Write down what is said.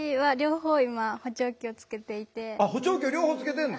補聴器を両方つけてんの？